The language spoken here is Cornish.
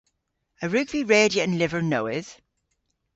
A wrug vy redya an lyver nowydh?